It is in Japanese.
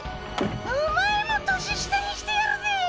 お前も年下にしてやるぜえ。